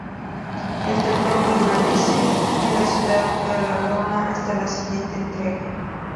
El trofeo permanece en la ciudad galardonada hasta la siguiente entrega.